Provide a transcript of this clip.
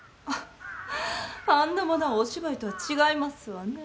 あんなものはお芝居とは違いますわね。